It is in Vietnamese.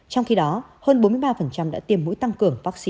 trong khi đó hơn bốn mươi ba đã tiêm mũi tăng cường vaccine covid một mươi chín